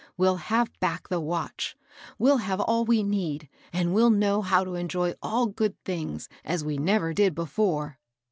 We'll have back the watch, — we'll have all we need ; and we'll know how to enjoy all good things as we never did be fore."